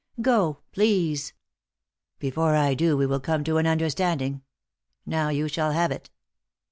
" Go — please." " Before I do go we will come to an understanding — now you shall have it.